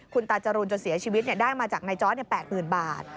คุณตาจรูนจนเสียชีวิตได้มาจากนายจอร์ด๘๐๐๐บาท